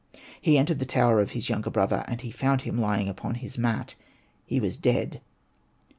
He entered the tower of his younger brother, and he found him lying upon his mat ; he was dead.